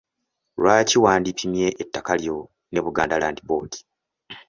Lwaki wandipimye ettaka lyo ne Buganda Land Board?